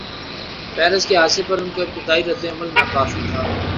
Paris کے حادثے پر ان کا ابتدائی رد عمل ناکافی تھا۔